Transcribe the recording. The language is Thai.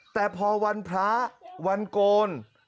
แต่พอวันพระวันโกน